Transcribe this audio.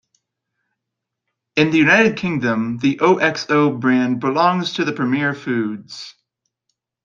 In the United Kingdom, the Oxo brand belongs to Premier Foods.